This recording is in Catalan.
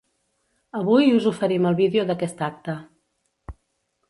Avui us oferim el vídeo d’aquest acte.